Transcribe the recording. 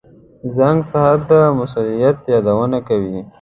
• زنګ ساعت د مسؤلیت یادونه کوي.